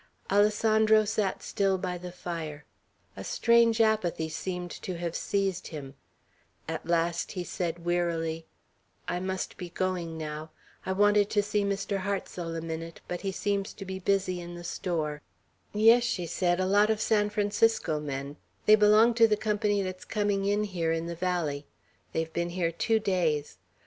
Alessandro sat still by the fire. A strange apathy seemed to have seized him; at last he said wearily: "I must be going now. I wanted to see Mr. Hartsel a minute, but he seems to be busy in the store." "Yes," she said, "a lot of San Francisco men; they belong to the company that's coming in here in the valley; they've been here two days.